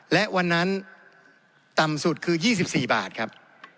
และวันนั้นต่ำสุดคือ๒๔บาทครับ